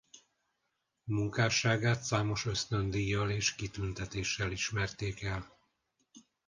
Munkásságát számos ösztöndíjjal és kitüntetéssel ismerték el.